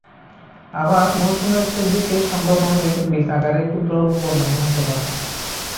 আবার, মৌসুমের শেষ দিকে সংক্রমণ হলে বীজ আকারে ক্ষুদ্র ও বর্ণহীন হতে পারে।